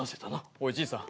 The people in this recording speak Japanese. おいじいさん。